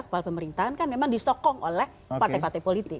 kepala pemerintahan kan memang disokong oleh partai partai politik